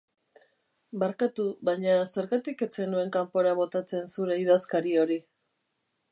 Barkatu, baina zergatik ez zenuen kanpora botatzen zure idazkari hori?